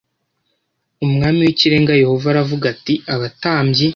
Umwami w Ikirenga Yehova aravuga ati abatambyi